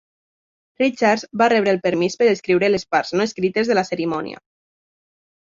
Richards va rebre el permís per escriure les parts no escrites de la cerimònia.